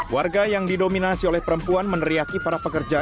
warga yang didominasi oleh perempuan meneriaki para pekerja